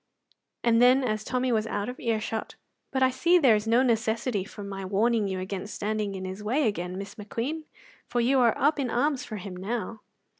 And then, as Tommy was out of ear shot: "But I see there is no necessity for my warning you against standing in his way again, Miss McQueen, for you are up in arms for him now."